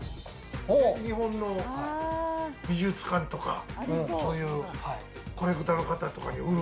日本の美術館とか、そういうコレクターの方とかに売る。